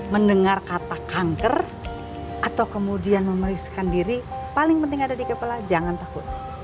mendengar kata kanker atau kemudian memeriksakan diri paling penting ada di kepala jangan takut